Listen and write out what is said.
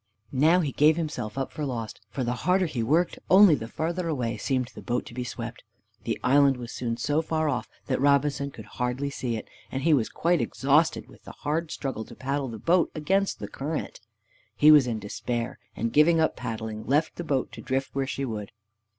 Now he gave himself up for lost, for the harder he worked, only the further away seemed the boat to be swept. The island was soon so far off that Robinson could hardly see it, and he was quite exhausted with the hard struggle to paddle the boat against the current. He was in despair, and giving up paddling, left the boat to drift where she would.